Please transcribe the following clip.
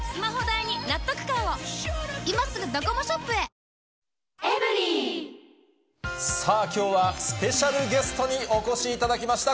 「クラフトボス」さあ、きょうは、スペシャルゲストにお越しいただきました。